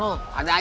oh baik baik